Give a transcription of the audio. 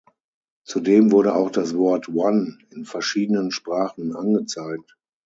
Zudem wurde auch das Wort „One“ in verschiedenen Sprachen angezeigt.